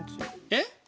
えっ？